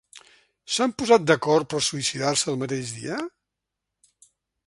S'han posat d'acord per suïcidar-se el mateix dia?